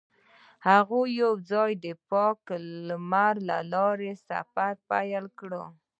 هغوی یوځای د پاک لمر له لارې سفر پیل کړ.